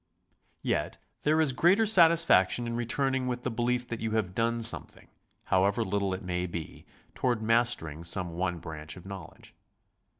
Yet there is greater satisfac tion in returning with the belief that you have done some thing, however little it may be, toward mastering some one branch of knowledge.